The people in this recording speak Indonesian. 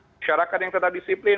masyarakat yang tetap disiplin